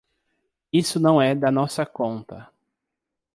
Isso não é da nossa conta.